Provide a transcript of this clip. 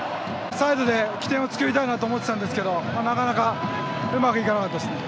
サイドで起点を作りたいなと思ってたんですけどなかなかうまくいかなかったですね。